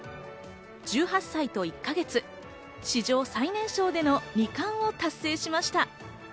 １８歳と１か月、史上最年少での二冠を達成しました。